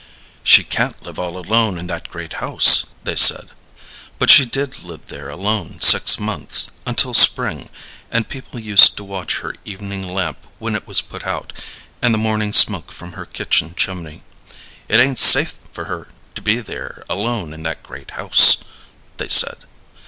"She can't live all alone in that great house," they said. But she did live there alone six months, until spring, and people used to watch her evening lamp when it was put out, and the morning smoke from her kitchen chimney. "It ain't safe for her to be there alone in that great house," they said.